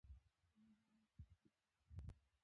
پابندی غرونه د افغانستان د سیاسي جغرافیه برخه ده.